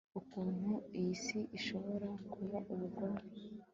ukuntu iyi si ishobora kuba ubugome